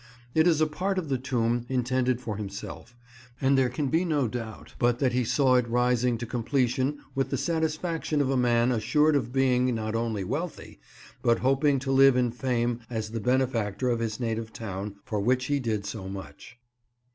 It is a part of the tomb intended for himself, and there can be no doubt but that he saw it rising to completion with the satisfaction of a man assured of being not only wealthy, but hoping to live in fame as the benefactor of his native town, for which he did so much.